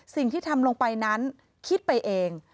สิ่งที่ทำลงไปนั้นคิดไปเอง